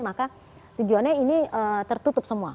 maka tujuannya ini tertutup semua